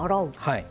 はい。